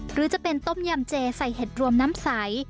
หรือจะเป็นต้มยำเจใส่เห็ดรวมน้ำใส